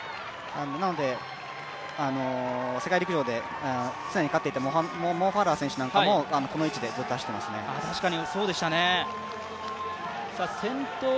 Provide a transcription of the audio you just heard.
なので、世界陸上で常に勝っていたファラー選手なんかもこの位置で走ってましたね。